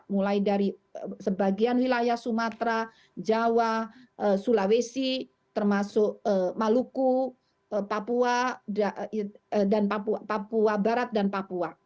mulai dari sebagian wilayah sumatera jawa sulawesi termasuk maluku papua dan papua barat dan papua